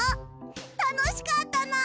たのしかったな！